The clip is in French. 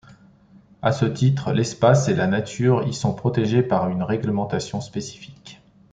À ce titre, l'espace et la nature y sont protégés par une réglementation spécifique.